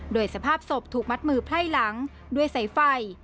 โดยสภาพศพถูกมัดมือไพร่หลังด้วยสายไฟ